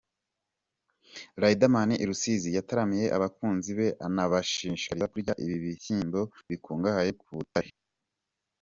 Riderman i Rusizi yataramiye abakunzi be anabashishikariza kurya ibi bishyimbo bikungahaye ku butare.